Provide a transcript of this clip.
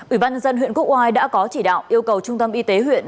ủy ban dân huyện cúc oai đã có chỉ đạo yêu cầu trung tâm y tế huyện